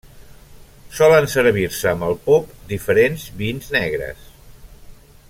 Solen servir-se amb el pop diferents vins negres.